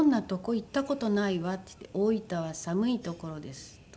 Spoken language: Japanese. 行った事ないわ」って言って「大分は寒い所です」とか言って。